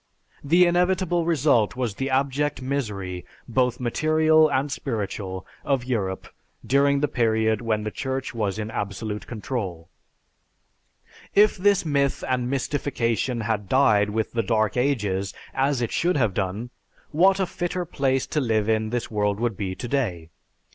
The inevitable result was the abject misery, both material and spiritual, of Europe during the period when the Church was in absolute control. If this myth and mystification had died with the dead ages, as it should have done, what a fitter place to live in this world would be today!